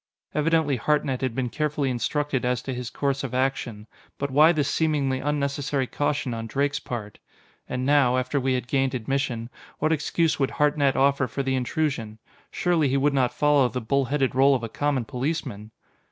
Evidently Hartnett had been carefully instructed as to his course of action but why this seemingly unnecessary caution on Drake's part? And now, after we had gained admission, what excuse would Hartnett offer for the intrusion? Surely he would not follow the bull headed rôle of a common policeman!